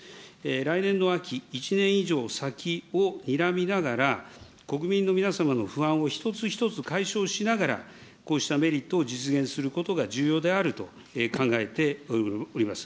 来年の秋、１年以上先をにらみながら、国民の皆様の不安を一つ一つ解消しながら、こうしたメリットを実現することが重要であると考えております。